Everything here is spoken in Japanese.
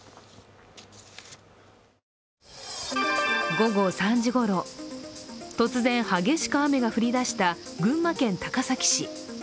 午後３時ごろ、突然激しく雨が降り出した群馬県高崎市。